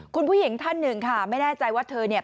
คุณผู้หญิงท่านหนึ่งค่ะไม่แน่ใจว่าเธอเนี่ย